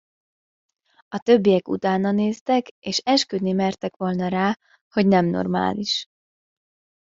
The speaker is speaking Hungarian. A többiek utánanéztek, és esküdni mertek volna rá, hogy nem normális.